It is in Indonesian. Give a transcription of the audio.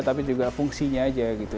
tapi juga fungsinya aja gitu